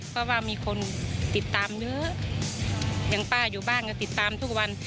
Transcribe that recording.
เพราะว่ามีคนติดตามเยอะอย่างป้าอยู่บ้านก็ติดตามทุกวัน